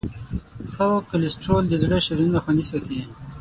ښه کولیسټرول د زړه شریانونه خوندي ساتي.